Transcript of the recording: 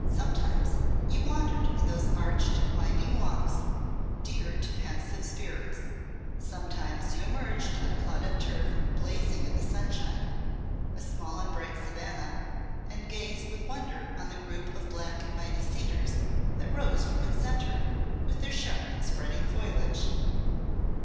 Sometimes you wandered in those arched and winding walks dear to pensive spirits; sometimes you emerged on a plot of turf blazing in the sunshine, a small and bright savannah, and gazed with wonder on the group of black and mighty cedars that rose from its centre, with their sharp and spreading foliage.